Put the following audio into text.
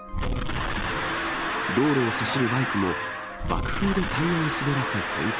道路を走るバイクも、爆風でタイヤを滑らせ転倒。